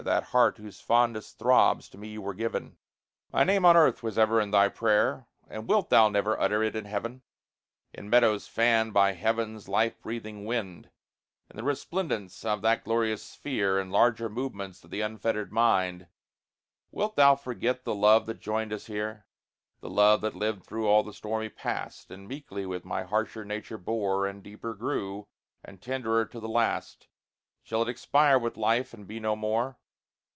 That heart whose fondest throbs to me were given? My name on earth was ever in thy prayer, And wilt thou never utter it in heaven? In meadows fanned by heaven's life breathing wind, In the resplendence of that glorious sphere, And larger movements of the unfettered mind, Wilt thou forget the love that joined us here? The love that lived through all the stormy past, And meekly with my harsher nature bore, And deeper grew, and tenderer to the last, Shall it expire with life, and be no more?